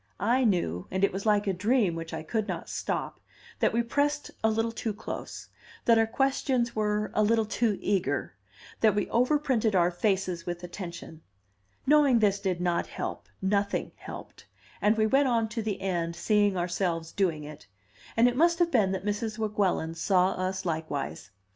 I knew (and it was like a dream which I could not stop) that we pressed a little too close, that our questions were a little too eager, that we overprinted our faces with attention; knowing this did not help, nothing helped, and we went on to the end, seeing ourselves doing it; and it must have been that Mrs. Weguelin saw us likewise.